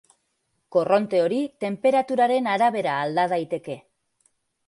Korronte hori, tenperaturaren arabera alda daiteke.